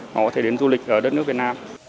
họ có thể đến du lịch ở đất nước việt nam